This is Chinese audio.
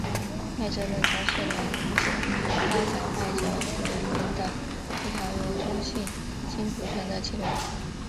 麦哲伦桥是连接大小麦哲伦云的一条由中性氢组成的气流。